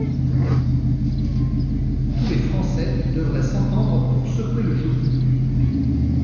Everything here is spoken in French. Tous les Français devraient s’entendre pour secouer le joug.